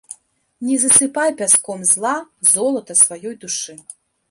Не засыпай пяском зла золата сваёй душы.